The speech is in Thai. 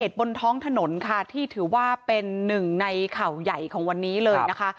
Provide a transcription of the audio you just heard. บนท้องถนนค่ะที่ถือว่าเป็นหนึ่งในข่าวใหญ่ของวันนี้เลยนะคะ